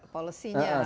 polisi nya harus